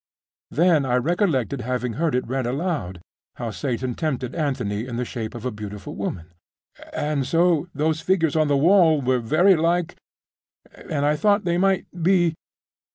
Then I recollected having heard it read aloud, how Satan tempted Anthony in the shape of a beautiful woman.... And so.... and so.... those figures on the wall were very like.... and I thought they might be....